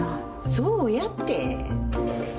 そうやって。